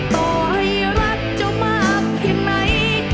ต่อให้รักเจ้ามากเพียงไหน